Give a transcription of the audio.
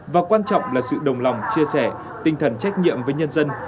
và quan trọng là sự đồng lòng chia sẻ tinh thần trách nhiệm với nhân dân